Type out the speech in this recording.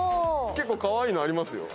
結構かわいいのありますよ。